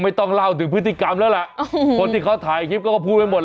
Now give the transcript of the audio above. ไม่ต้องเราถึงพฤติกรรมแล้วอ่ะติดคาดถ่ายคลิปก็พูดไปหมด